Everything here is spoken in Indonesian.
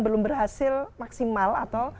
belum berhasil maksimal atau